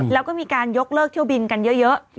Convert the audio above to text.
แล้วก็มีการยกเลิกเที่ยวบินกันเยอะ